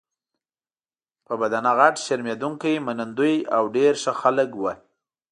په بدنه غټ، شرمېدونکي، منندوی او ډېر ښه خلک وو.